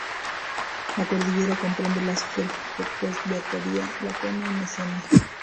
La cordillera comprende las prefecturas de Arcadia, Laconia y Mesenia.